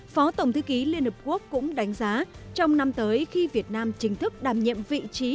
phó tổng thư ký liên hợp quốc cũng đánh giá trong năm tới khi việt nam chính thức đảm nhiệm vị trí